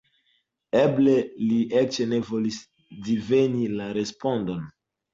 Eble li eĉ ne volis diveni la respondon.